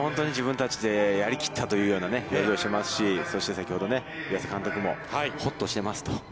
自分たちでやり切ったというような表情をしていますしそして先ほど湯浅監督もほっとしていますと。